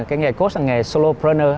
cái nghề coach là nghề solopreneur